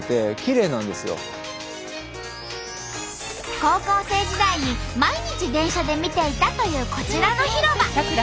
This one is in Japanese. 高校生時代に毎日電車で見ていたというこちらの広場。